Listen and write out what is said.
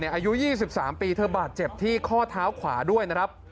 อายุ๒๓ปีเธอบาดเจ็บที่ข้อเท้าขวาด้วยนะครับ